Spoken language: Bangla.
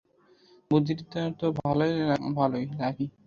বুদ্ধিটা তো ভালোই, লাকি।